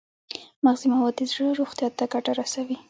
مغذي مواد د زړه روغتیا ته ګټه رسوي.